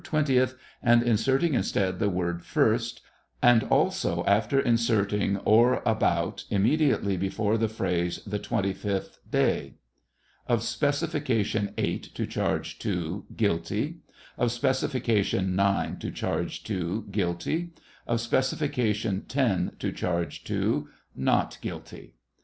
twentieth," and inserting instead the word " first," and also after inserting " or about" Immediately before the phrase "the twenty fifth day." Of specification eight to charge II, "guilty." Of specification nine to charge II, " guilty." Of specification ten to charge II, " not guilty."